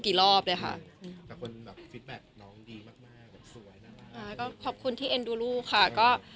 ก็ขอบคุณที่เอ็นดูลูกค่ะ